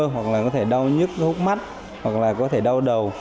hoặc là có thể đau nhức mắt hoặc là có thể đau đầu